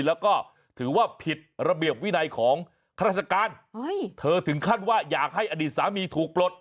แล้วก็ถือว่าผิดระเบียบวินัยของข้าราชการเธอถึงขั้นว่าอยากให้อดีตสามีถูกปลด